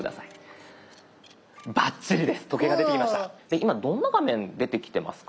今どんな画面出てきてますか？